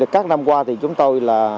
các năm qua thì chúng tôi là